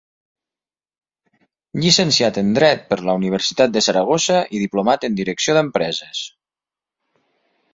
Llicenciat en dret per la Universitat de Saragossa i diplomat en direcció d'empreses.